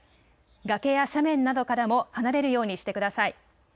崖や斜面などからも離れるようにしてください。